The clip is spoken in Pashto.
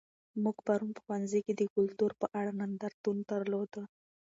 موږ پرون په ښوونځي کې د کلتور په اړه نندارتون درلود.